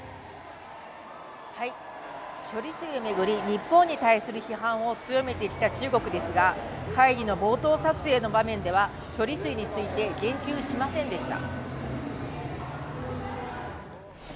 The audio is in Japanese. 処理水を巡り、日本に対する批判を強めてきた中国ですが会議の冒頭撮影の場面では処理水について言及しませんでした。